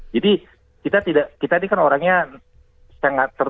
jadi kita ini kan orangnya sangat